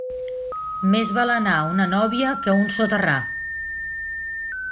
Més val anar a una nóvia que a un soterrar.